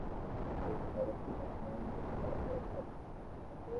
গ্রীষ্মের নিস্তব্ধ দুপুরে হাটহাজারীর ফতেয়াবাদের ছড়ারকুলে হঠাৎ হানা দেয় পাকিস্তানি বাহিনী।